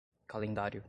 calendário